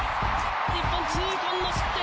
日本、痛恨の失点！